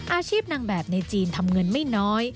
อาชีพนางแบบในจีนทำเงินไม่น้อย